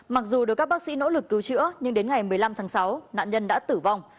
mặc dù được các bác sĩ nỗ lực cứu chữa nhưng đến ngày một mươi năm tháng sáu nạn nhân đã tử vong